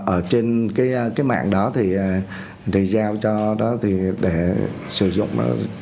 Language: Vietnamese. ở trên cái mạng đó thì giao cho đó thì để sử dụng nó